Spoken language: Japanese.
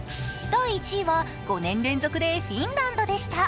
第１位は５年連続でフィンランドでした。